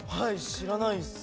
知らないです。